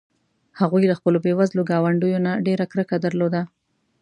هغوی له خپلو بې وزلو ګاونډیو نه ډېره کرکه درلوده.